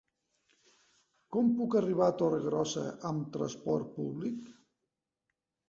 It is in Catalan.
Com puc arribar a Torregrossa amb trasport públic?